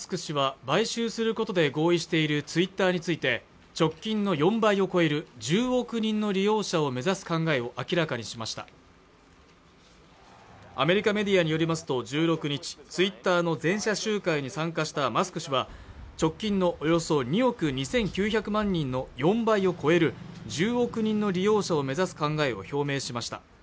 氏は買収することで合意しているＴｗｉｔｔｅｒについて直近の４倍を超える１０億人の利用者を目指す考えを明らかにしましたアメリカメディアによりますと１６日Ｔｗｉｔｔｅｒの全社集会に参加したマスク氏は直近のおよそ２億２９００万人の４倍を超える１０億人の利用者を目指す考えを表明しました